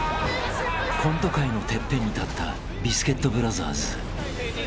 ［コント界のＴＥＰＰＥＮに立ったビスケットブラザーズ］